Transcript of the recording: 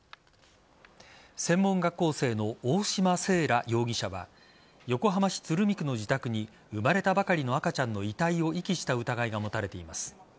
専門学校生の大嶋清良容疑者は横浜市鶴見区の自宅に生まれたばかりの赤ちゃんの遺体を遺棄した疑いが持たれています。